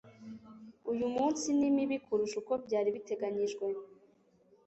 uyu munsi ni mibi kurusha uko byari biteganyijwe.